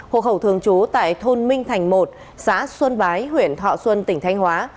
hộ khẩu thường trú tại thôn minh thành một xã xuân bái huyện thọ xuân tỉnh thanh hóa